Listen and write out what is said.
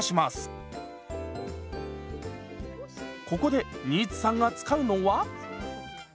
ここで新津さんが使うのは？